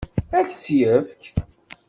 Ad k-tt-yefk?